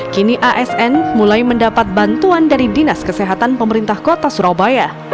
kini asn mulai mendapat bantuan dari dinas kesehatan pemerintah kota surabaya